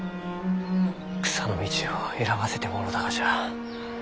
草の道を選ばせてもろうたがじゃ。